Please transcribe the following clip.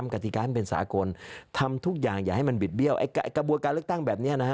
กติกาให้เป็นสากลทำทุกอย่างอย่าให้มันบิดเบี้ยวกระบวนการเลือกตั้งแบบนี้นะฮะ